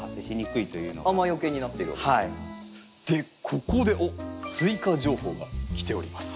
ここで追加情報が来ております。